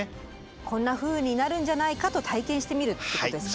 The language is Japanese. こんなふうになるんじゃないかと体験してみるっていうことですね。